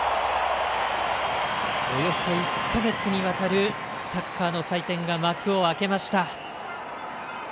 およそ１か月にわたるサッカーの祭典が幕を開けました。